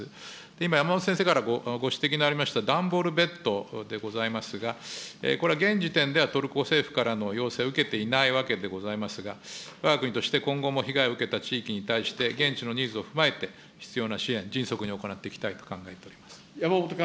今、山本先生からご指摘のありました段ボールベッドでございますが、これは現時点では、トルコ政府からの要請を受けていないわけでございますが、わが国として今後も被害を受けた地域に対して、現地のニーズを踏まえて、必要な支援、迅速に行っていきたいと考えております。